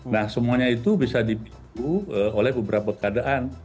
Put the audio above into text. nah semuanya itu bisa dipicu oleh beberapa keadaan